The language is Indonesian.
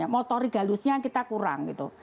motorik galusnya kita kurang